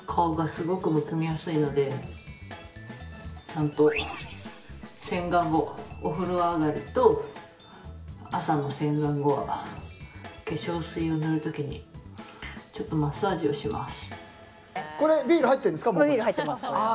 ちゃんと洗顔後お風呂上がりと朝の洗顔後は化粧水を塗る時にちょっとマッサージをします。